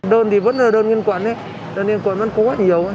đơn thì vẫn là đơn liên quận đơn liên quận vẫn có quá nhiều